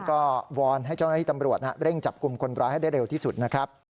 ก็วอนให้เจ้าหน้าที่ตำรวจเร่งจับกลุ่มคนร้ายให้ได้เร็วที่สุดนะครับ